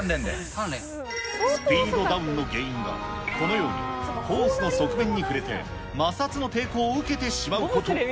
スピードダウンの原因は、このようにコースの側面に触れて摩擦の抵抗を受けてしまうこと。